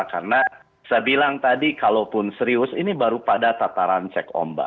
karena saya bilang tadi kalau pun serius ini baru pada tataran cek ombak